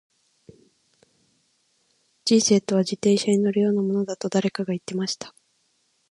•人生とは、自転車に乗るようなものだと誰かが言っていました。